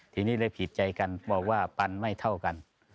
ทีนี้เลยผิดใจกันบอกว่าปันไม่เท่ากัน